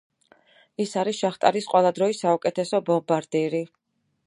ის არის შახტარის ყველა დროის საუკეთესო ბომბარდირი.